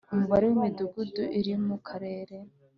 umubare w Imidugudu iri mu Karere